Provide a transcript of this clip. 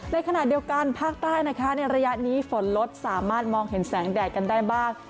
ในขณะเดียวกันภาคใต้นะคะในระยะนี้ฝนลดสามารถมองเห็นแสงแดดกันได้บ้าง